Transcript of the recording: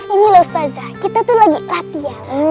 ini loh ustadzah kita tuh lagi latihan